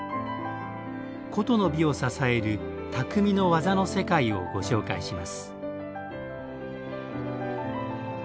古都の美を支える「匠の技の世界」をご紹介します。